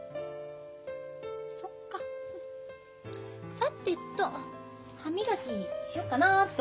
さてと歯磨きしよっかなっと。